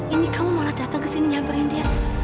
ini kamu malah datang kesini nyamperin dia